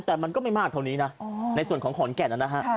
แต่มันก็ไม่มากเท่านี้นะในส่วนของขอนแก่นนะฮะ